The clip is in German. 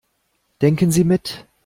Denken Sie mit.